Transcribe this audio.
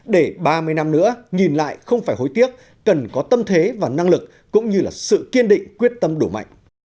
để ba mươi năm nữa nhìn lại không phải hối tiếc cần có tâm thế và năng lực cũng như sự kiên định quyết tâm đủ mạnh